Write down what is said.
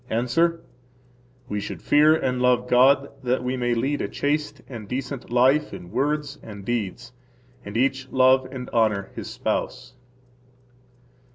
–Answer: We should fear and love God that we may lead a chaste and decent life in words and deeds, and each love and honor his spouse.